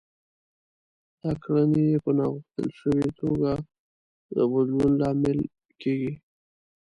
دا کړنې يې په ناغوښتل شوې توګه د بدلون لامل کېږي.